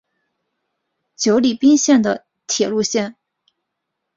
久里滨线的铁路线。